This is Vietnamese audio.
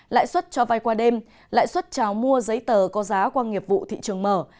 lãi suất cho vay qua đêm lãi suất trào mua giấy tờ có giá qua nghiệp vụ thị trường mở